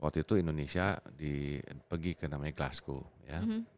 waktu itu indonesia pergi ke namanya glasgow ya